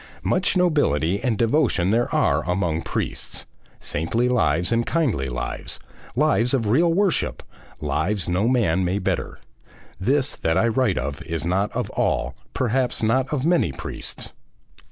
Much nobility and devotion there are among priests, saintly lives and kindly lives, lives of real worship, lives no man may better; this that I write is not of all, perhaps not of many priests.